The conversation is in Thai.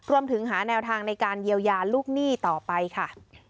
รวมถึงหาแนวทางในการเยียวยาลูกหนี้ต่อไปค่ะ